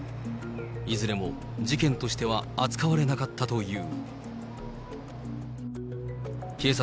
いずれも事件としては扱われなかったという。